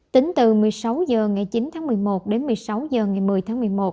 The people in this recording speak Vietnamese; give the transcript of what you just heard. tính từ một mươi sáu h ngày chín tháng một mươi một đến một mươi sáu h ngày một mươi tháng một mươi một